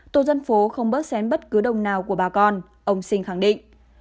tổ dân phố không bớt xén bất cứ đồng nào của bà con ông sinh khẳng định